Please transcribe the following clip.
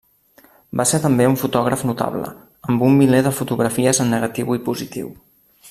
Va ser també un fotògraf notable, amb un miler de fotografies en negatiu i positiu.